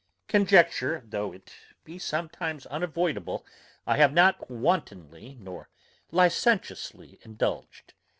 Conjecture, though it be sometimes unavoidable, I have not wantonly nor licentiously indulged.